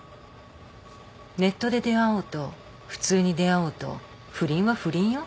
ネットで出会おうと普通に出会おうと不倫は不倫よ。